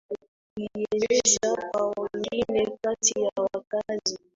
kuieneza kwa wengine Kati ya wakazi